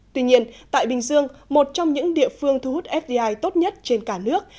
tuy nhiên tại bình dương một trong những địa phương thu hút fdi tốt nhất trên cả nước